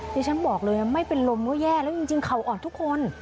ที่ฉันบอกเลยไม่เป็นลมก็แย่แล้วจริงเขาอ่อนทุกคน